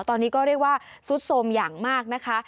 ตอนนี้ก็เรียกว่าซุดสมอย่างมากนะคะ